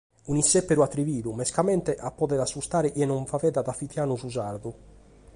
Unu sèberu atrividu, mescamente ca podet assustare chie non faeddant a fitianu su sardu.